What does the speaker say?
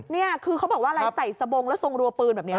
นี่คือเขาบอกว่าอะไรใส่สบงแล้วทรงรัวปืนแบบนี้